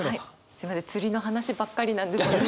すみません釣りの話ばっかりなんですけど。